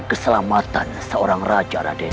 keselamatan seorang raja raiden